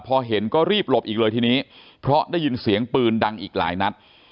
พอเห็นก็รีบหลบอีกเลยทีนี้เพราะได้ยินเสียงปืนดังอีกหลายนัด